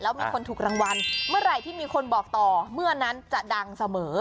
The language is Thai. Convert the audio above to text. แล้วมีคนถูกรางวัลเมื่อไหร่ที่มีคนบอกต่อเมื่อนั้นจะดังเสมอ